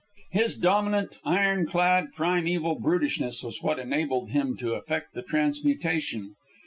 His dominant, iron clad, primeval brutishness was what enabled him to effect the transmutation.